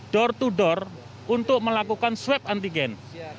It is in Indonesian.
door to door untuk melakukan swab antigen